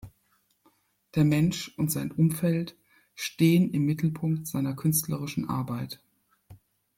Der Mensch und sein Umfeld stehen im Mittelpunkt seiner künstlerischen Arbeit.